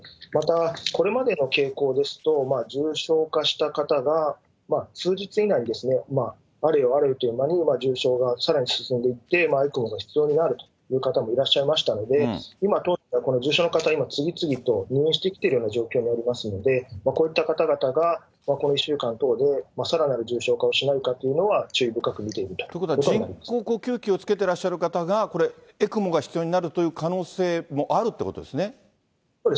また、これまでの傾向ですと、重症化した方が、数日以内に、あれよあれよという間に重症がさらに進んでいって、ＥＣＭＯが必要になるという方もいらっしゃいましたので、今、当院ではこの重症の方、次々と入院してきているような状況になりますので、こういった方々が、この１週間等でさらなる重症化をしないかというのは注意深く見てということは、人工呼吸器をつけていらっしゃる方が、ＥＣＭＯが必要になるという可能性もあそうですね。